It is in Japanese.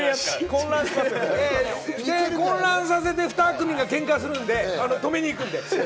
混乱させて２組が喧嘩するんで、止めに行くんで。